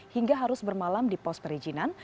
hingga harus bermalam di pos perizinan